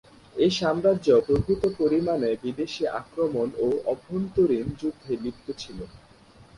এই সাম্রাজ্য প্রভূত পরিমাণে বিদেশী আক্রমণ ও অভ্যন্তরীণ যুদ্ধে লিপ্ত ছিল।